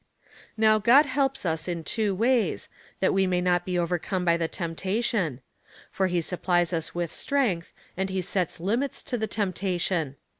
^ K"ow God helps us in tAvo ways, that we may not be over come by the temptation ; for he supplies us with strength, and he sets limits to the temptation.